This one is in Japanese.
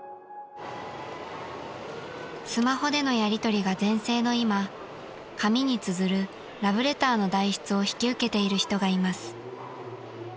［スマホでのやりとりが全盛の今紙につづるラブレターの代筆を引き受けている人がいます］